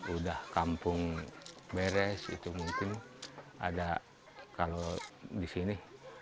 udah kampung beres itu mungkin ada kalau di sini